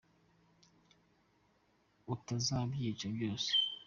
Utazabyica byose